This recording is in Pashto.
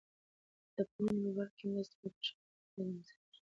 د پوهنې په برخه کې مرستې باید په شفافه توګه مصرف شي.